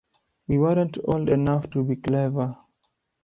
We weren't old enough to be clever.